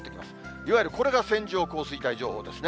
いわゆるこれが線状降水帯情報ですね。